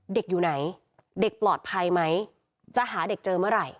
อยู่ไหนเด็กปลอดภัยไหมจะหาเด็กเจอเมื่อไหร่